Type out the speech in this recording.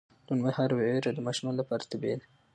لنډمهاله ویره د ماشومانو لپاره طبیعي ده.